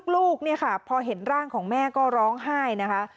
ลูกพอเห็นร่างของแม่ก็ร้องไห้นะคะ